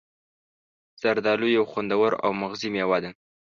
زردآلو یو خوندور او مغذي میوه ده.